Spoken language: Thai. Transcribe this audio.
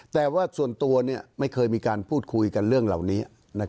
แต่ว่าส่วนตัวไม่เคยมีการพูดคุยกันเรื่องเหล่านี้